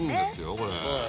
これ。